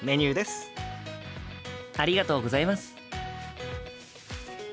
ありがとうございます。